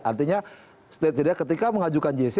artinya setidaknya ketika mengajukan gc